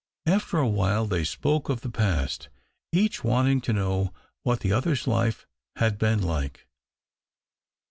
After a while they spoke of the past, each wanting to know what the other's life had been like.